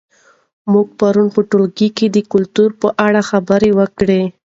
موږ پرون په ټولګي کې د کلتور په اړه خبرې وکړې.